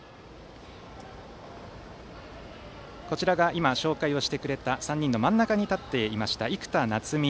今、紹介してくれた３人の真ん中に立っていました生田夏海